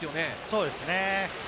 そうですね。